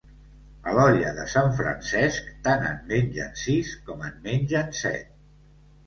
A l'olla de sant Francesc tant en mengen sis com en mengen set.